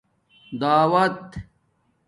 دعوت